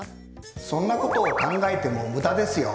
そんなことを考えても無駄ですよ。